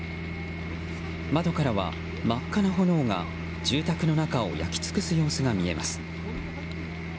窓からは真っ赤な炎が住宅の中を焼き尽くす様子が見えます。